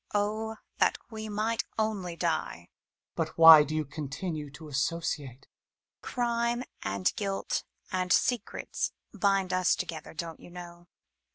Oh, that we might only die ! Hummel. But why do you continue to associate? J MuMMT. Crime and guilt and secrets bind us together, don't you know